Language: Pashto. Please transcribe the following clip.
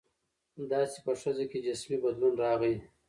داسې په ښځه کې جسمي بدلون راغى.